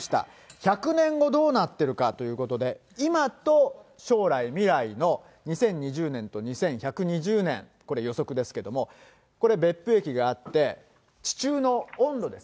１００年後、どうなっているかということで、今と将来、未来の２０２０年と２１２０年、これ、予測ですけれども、これ、別府駅があって、地中の温度です。